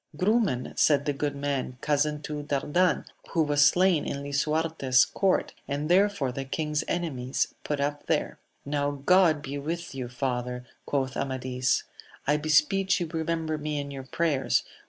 Grumen, said the good man, cousin to Dardan who was slain in Lisuarte's court, and therefore the king's enemies put up there. Now God be with you, father ! quoth Amadis ; I beseech you remember me in your prayers